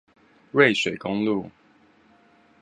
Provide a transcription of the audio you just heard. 瑞水公路